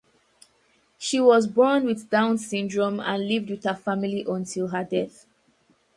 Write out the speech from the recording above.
She was born with Down syndrome and lived with her family until her death.